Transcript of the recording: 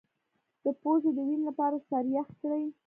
د پوزې د وینې لپاره سر یخ کړئ